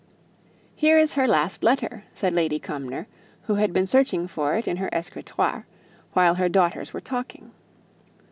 "Here is her last letter," said Lady Cumnor, who had been searching for it in her escritoire, while her daughters were talking.